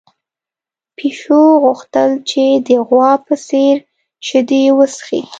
پيشو غوښتل چې د غوا په څېر شیدې وڅښي.